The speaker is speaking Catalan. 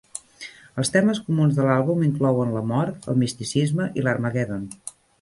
Els temes comuns de l'àlbum inclouen la mort, el misticisme i l'Harmagedon.